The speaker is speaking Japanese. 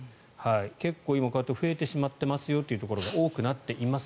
結構今、こうやって増えてしまっているところが多くなっています。